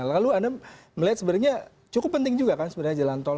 lalu anda melihat sebenarnya cukup penting juga kan sebenarnya jalan tol